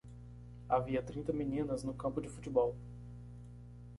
Havia trinta meninas no campo de futebol.